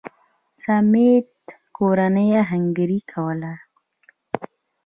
سمېت کورنۍ اهنګري کوله.